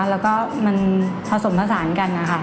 แล้วก็มันผสมผสานกันนะคะ